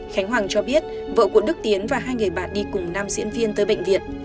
khánh hoàng cho biết vợ của đức tiến và hai người bạn đi cùng năm diễn viên tới bệnh viện